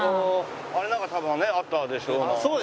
あれなんか多分ねあったでしょう。